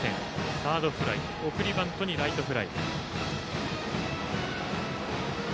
サードフライ送りバントにライトフライ。